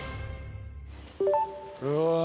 うわ。